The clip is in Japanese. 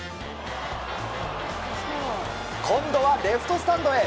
今度はレフトスタンドへ。